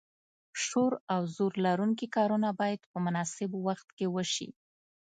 شور او زور لرونکي کارونه باید په مناسب وخت کې وشي.